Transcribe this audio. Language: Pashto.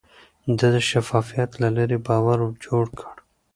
ده د شفافيت له لارې باور جوړ کړ.